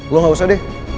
lo gak usah deh